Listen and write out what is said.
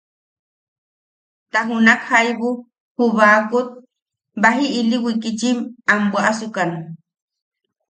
Ta junak jaibu ju baakot baji ili wikitchim am bwaʼasukan.